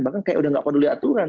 bahkan kayak udah nggak peduli aturan